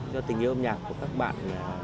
do tình yêu âm nhạc của các bạn